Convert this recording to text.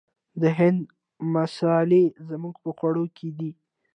د هند مسالې زموږ په خوړو کې دي.